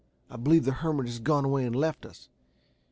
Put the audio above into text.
I believe the hermit has gone away and left us.